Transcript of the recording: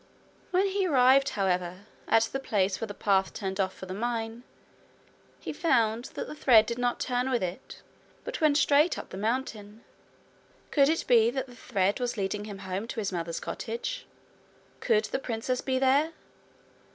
When he arrived, however, at the place where the path turned off for the mine, he found that the thread did not turn with it, but went straight up the mountain. Could it be that the thread was leading him home to his mother's cottage? Could the princess be there?